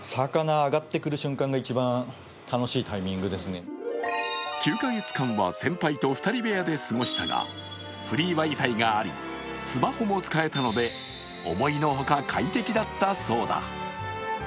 当初は９か月間は先輩と２人部屋で過ごしたが、フリーＷｉ−Ｆｉがあり、スマホも使えたので思いのほか快適だったそうだ。